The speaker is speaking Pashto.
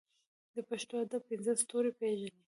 د پښتو ادب پنځه ستوري پېژنې.